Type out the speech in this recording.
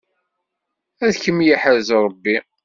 Ad kem-yeḥrez Ṛebbi.